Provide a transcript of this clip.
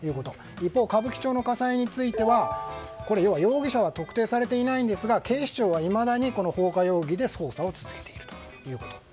一方、歌舞伎町の火災については容疑者は特定されていないんですが警視庁はいまだに放火容疑で捜査を続けているということです。